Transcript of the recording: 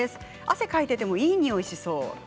汗をかいていてもいいにおいがしそう。